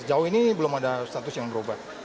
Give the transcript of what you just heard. sejauh ini belum ada status yang berubah